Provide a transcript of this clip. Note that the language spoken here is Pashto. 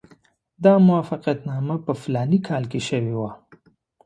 دا موافقتنامه په فلاني کال کې شوې وه.